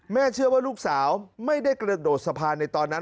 เชื่อว่าลูกสาวไม่ได้กระโดดสะพานในตอนนั้น